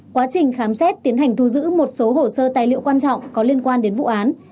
quá trình khám xét tiến hành thu giữ một số hồ sơ tài liệu quan trọng có liên quan đến vụ án